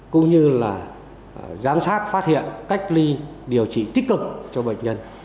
cũng như là giám sát phát hiện cách ly điều trị tích cực cho bệnh nhân